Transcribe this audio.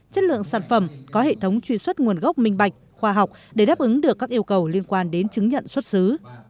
chất lượng sản phẩm có hệ thống truy xuất nguồn gốc minh bạch khoa học để đáp ứng được các yêu cầu liên quan đến chứng nhận xuất xứ